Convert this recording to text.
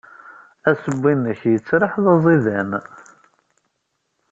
Assewwi-nnek yettraḥ d aẓidan.